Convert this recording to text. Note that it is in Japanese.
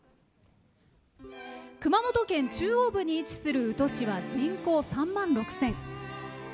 熊本県中央部に位置する宇土市は人口３万６０００。